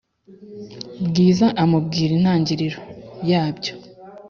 bwiza amubwira intangiro yabyo